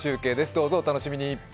どうぞお楽しみに。